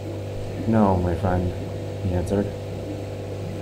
"No, my friend," he answered.